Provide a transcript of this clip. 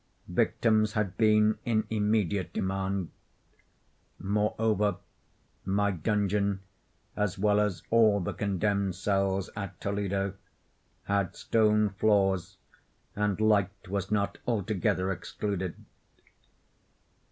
Victims had been in immediate demand. Moreover, my dungeon, as well as all the condemned cells at Toledo, had stone floors, and light was not altogether excluded.